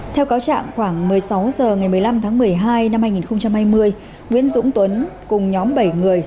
theo cáo trạng khoảng một mươi sáu h ngày một mươi năm tháng một mươi hai năm hai nghìn hai mươi nguyễn dũng tuấn cùng nhóm bảy người